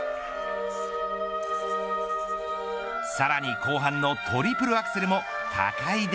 さらに後半のトリプルアクセルも高い